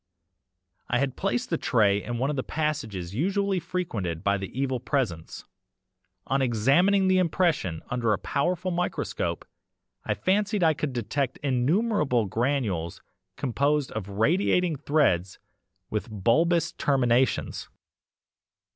I had placed the tray in one of the passages usually frequented by the EVIL PRESENCE. On examining the impression under a powerful microscope I fancied I could detect innumerable granules composed of radiating threads with bulbous terminations.